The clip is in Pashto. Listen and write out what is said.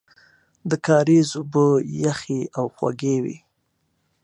د کاریز اوبه یخې او خوږې وې.